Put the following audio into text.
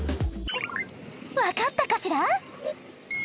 分かったかしら？